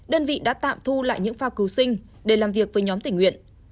đơn vị đã tạm thu lại những phao cứu sinh để làm việc với nhóm tình nguyện